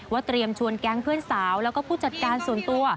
เตรียมชวนแก๊งเพื่อนสาวแล้วก็ผู้จัดการส่วนตัว